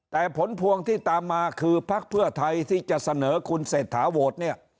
แต่ผลพวงที่ตามมาคือภักษ์เพื่อไทยที่จะเสนอคุณเสร็จถาโหวต